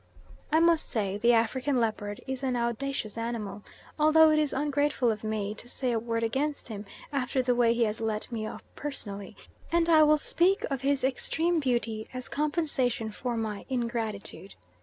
I must say the African leopard is an audacious animal, although it is ungrateful of me to say a word against him, after the way he has let me off personally, and I will speak of his extreme beauty as compensation for my ingratitude.